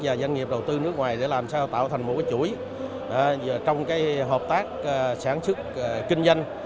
và doanh nghiệp đầu tư nước ngoài để làm sao tạo thành một chuỗi trong hợp tác sản xuất kinh doanh